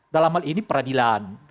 dalam hal ini peradilan